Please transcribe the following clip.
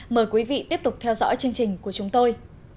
mời quý vị tiếp tục theo dõi chương trình của chúng tôi